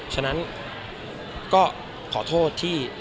ฉะนั้นก็ขอโทษที่